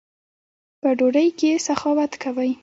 په ډوډۍ کښي سخاوت کوئ!